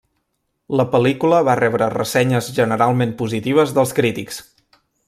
La pel·lícula va rebre ressenyes generalment positives dels crítics.